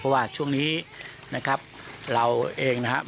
เพราะว่าช่วงนี้นะครับเราเองนะครับ